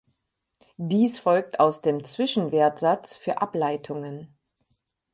Dies folgt aus dem Zwischenwertsatz für Ableitungen.